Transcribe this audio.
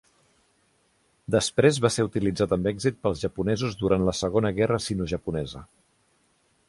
Després va ser utilitzat amb èxit pels japonesos durant la Segona Guerra sinojaponesa